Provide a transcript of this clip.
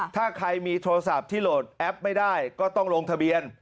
ถ้าใครมีโทรศัพท์ที่โหลดแอปไม่ได้ก็ต้องลงทะเบียน